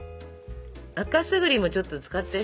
赤すぐりもちょっと使って。